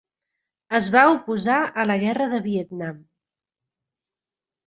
Es va oposar a la guerra de Vietnam.